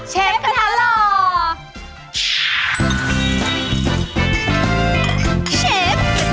เชฟกระทะลัก